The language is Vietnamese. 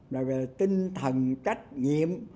là về tinh thần trách nhiệm